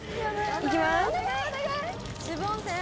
行きます。